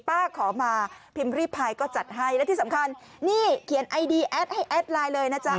ขอมาพิมพ์ริพายก็จัดให้และที่สำคัญนี่เขียนไอดีแอดให้แอดไลน์เลยนะจ๊ะ